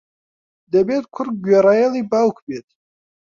دەبێت کوڕ گوێڕایەڵی باوک بێت.